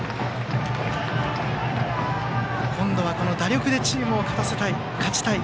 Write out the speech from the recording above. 今度は打力でチームを勝たせたい勝ちたい。